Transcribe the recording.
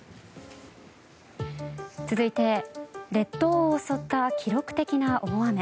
続いて列島を襲った記録的な大雨。